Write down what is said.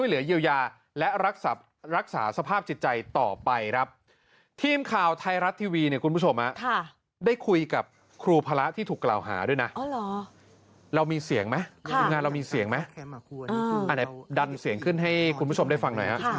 เรามีเสียงไหมอันนี้ดันเสียงขึ้นให้คุณผู้ชมได้ฟังหน่อย